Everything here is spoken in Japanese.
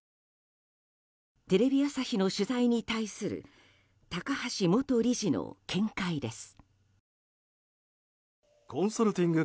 テレビ朝日の取材に対する高橋元理事の見解です。